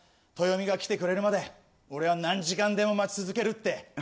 トヨミが来てくれるまで俺は何時間でも待ち続けるって。